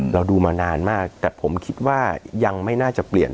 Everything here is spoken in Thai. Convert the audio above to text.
เราดูมานานมากแต่ผมคิดว่ายังไม่น่าจะเปลี่ยน